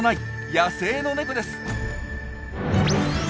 野生のネコです。